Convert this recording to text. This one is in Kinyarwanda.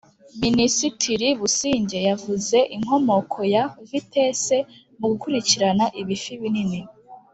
minisitiri busigye yavuze inkomokoya ‘vitesse’ mu gukurikirana ‘ibifi binini’